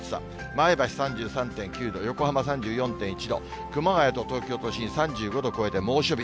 前橋３３．９度、横浜３４．１度、熊谷と東京都心３５度を超えて猛暑日。